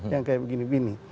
yang kayak begini begini